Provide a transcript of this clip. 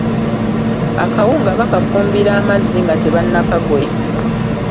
Akawunga bakafumbira amazzi nga tebannakagoya.